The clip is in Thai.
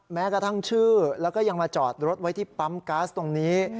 แม้กระทั่งชื่อแล้วก็ยังมาจอดรถไว้ที่ปั๊มก๊าซตรงนี้